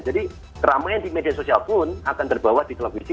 jadi keramaian di media sosial pun akan terbawa di televisi